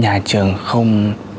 nhà trường không